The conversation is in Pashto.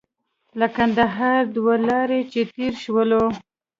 له کندهار دوه لارې چې تېر شولو.